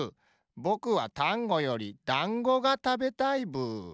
ぼくはタンゴよりだんごがたべたいブー。